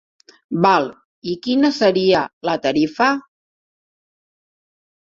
Val, i quina seria la tarifa?